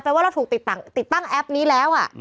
ว่าเราถูกติดตั้งแอปนี้แล้ว